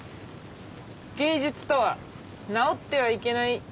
「芸術とは治ってはいけない病気なのだ」。